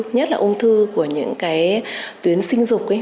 nhất là ung thư của những cái tuyến sinh dục